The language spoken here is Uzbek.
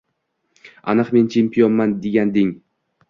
aniq men chempionman deganding.